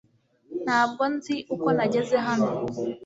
ntabwo nzi uko nageze hano